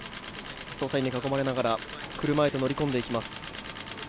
捜査員に囲まれながら車へと乗り込んでいきます。